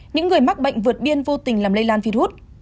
những người mắc bệnh vượt biên vô tình làm lây lan virus